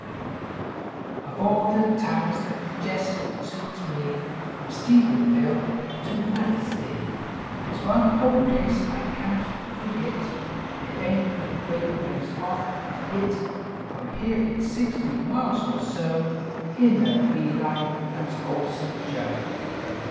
JOE Of all the towns that jest suits me From Stevensville to Manistee, There s one old place I can t fergit ; It ain t a great ways off, and yit From here it s sixty miles or so In a bee line that s Old St. Joe.